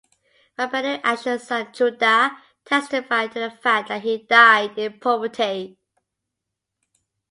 Rabbenu Asher's son Judah testified to the fact that he died in poverty.